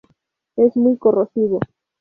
Es muy corrosivo.